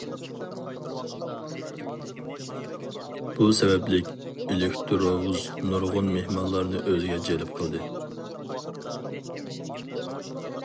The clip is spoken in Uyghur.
بۇ سەۋەبلىك ئېلېكتىروۋۇز نۇرغۇن مېھمانلارنى ئۆزىگە جەلپ قىلدى.